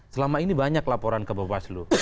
selama ini banyak laporan ke bawaslu